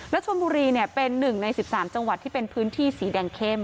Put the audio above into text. และชนบุรีเป็น๑ใน๑๓จังหวัดที่เป็นพื้นที่สีแดงเข้ม